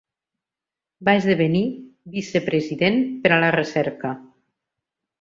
Va esdevenir vicepresident per a la recerca.